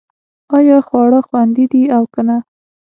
ایا خواړه خوندي دي او که نه